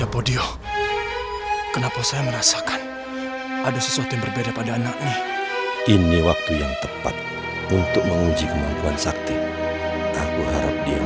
kita bakal selidikin masalah ini